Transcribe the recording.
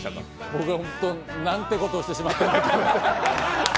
僕はホント、なんてことをしてしまったんだ。